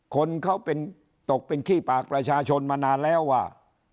คนเขาเป็นตกเป็นขี้ปากประชาชนมานานแล้วว่า